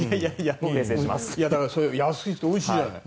でも安くておいしいじゃない。